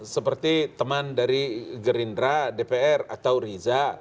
seperti teman dari gerindra dpr atau riza